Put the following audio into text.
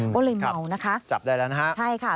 เขาเลยเมานะคะใช่ค่ะจับได้แล้วนะฮะ